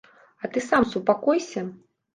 А ты сам супакойся!